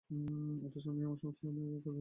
অথচ আমি আমার সমস্ত কথা লিখে বসে আছি।